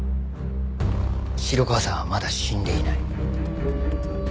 城川さんはまだ死んでいない。